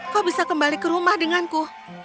kau bisa kembali ke rumah denganku